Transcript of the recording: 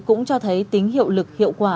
cũng cho thấy tính hiệu lực hiệu quả